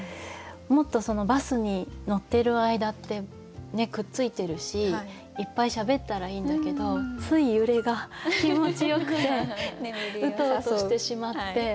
もっとバスに乗っている間ってくっついてるしいっぱいしゃべったらいいんだけどつい揺れが気持ちよくてウトウトしてしまって。